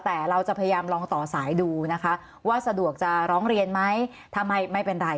แต่เราจะพยายามลองต่อสายดูนะคะว่าสะดวกจะร้องเรียนไหมถ้าไม่ไม่เป็นไร